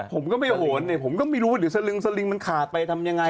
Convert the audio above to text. ผมก็ไม่โหนเนี่ยผมก็ไม่รู้เดี๋ยวสลึงสลิงมันขาดไปทำยังไง